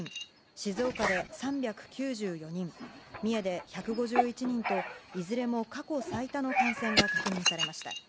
静岡で３９４人三重で１５１人といずれも過去最多の感染が確認されました。